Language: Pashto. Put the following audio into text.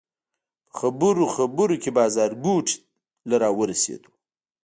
په خبرو خبرو کې بازارګوټي ته ورسېدو.